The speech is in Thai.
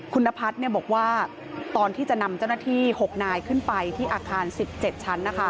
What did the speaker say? คุณนพัฒน์บอกว่าตอนที่จะนำเจ้าหน้าที่๖นายขึ้นไปที่อาคาร๑๗ชั้น